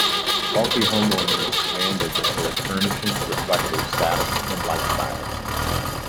Wealthy homeowners demanded that their furnishings reflect their status and lifestyles.